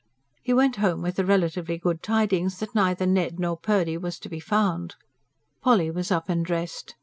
He went home with the relatively good tidings that neither Ned nor Purdy was to be found. Polly was up and dressed.